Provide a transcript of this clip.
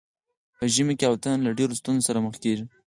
په ژمي کې الوتنه له ډیرو ستونزو سره مخ کیږي